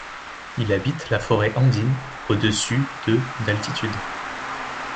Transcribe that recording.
Il habite la forêt andine au-dessus de d'altitude.